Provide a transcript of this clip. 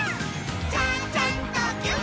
「ちゃちゃんとぎゅっ」